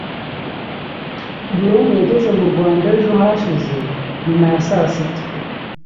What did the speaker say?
Brom yageze mu Rwanda ejo hashize nyuma ya saa sita